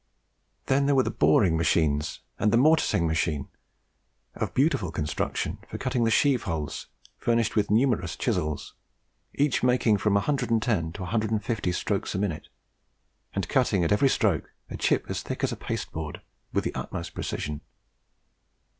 Then there were the Boring Machines, and the Mortising Machine, of beautiful construction, for cutting the sheave holes, furnished with numerous chisels, each making from 110 to 150 strokes a minute, and cutting at every stroke a chip as thick as pasteboard with the utmost precision.